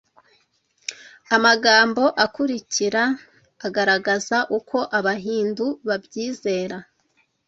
Amagambo akurikira agaragaza uko Abahindu babyizera